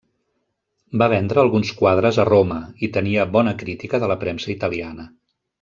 Va vendre alguns quadres a Roma, i tenia bona crítica de la premsa italiana.